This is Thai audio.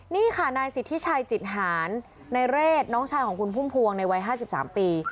นี่ค่ะนายสิทธิชัยจิตหารนายเรศน้องชายของคุณพุ่มพวงในวัย๕๓ปี